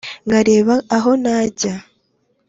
nkareba aho najya